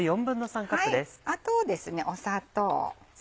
あと砂糖。